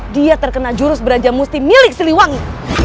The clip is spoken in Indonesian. dia terkena jurus beraja musti milik siliwangi